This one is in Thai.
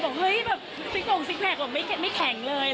บอกเอ้ยแบบสิกโปรงสิกแพลกบอกไม่แข็งเลย